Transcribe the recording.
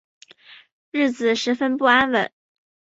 日子十分不安稳